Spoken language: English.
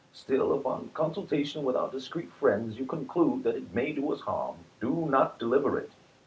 Still, if on consultation with our dis creet friends you conclude that it may do us harm, do not deliver it.